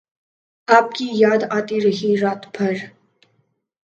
آپ کی یاد آتی رہی رات بھر